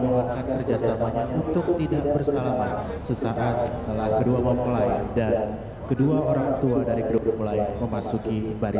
pokoknya kalau mbak dayo udah ngomongin gue gue udah menangin